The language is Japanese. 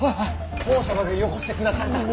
法皇様がよこしてくだされた。